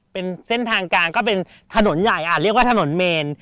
เป็นเส้นทางกลางก็เป็นถนนใหญ่เรียกว่าถนนเมน